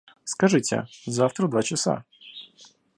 Скажите, завтра в два часа.